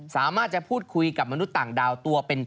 สามารถจะพูดคุยกับมนุษย์ต่างดาวตัวเป็น